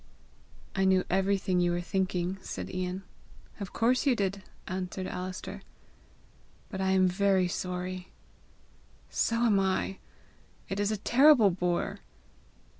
"I knew everything you were thinking," said Ian. "Of course you did!" answered Alister. "But I am very sorry!" "So am I! It is a terrible bore!"